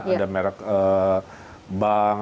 ada merek bank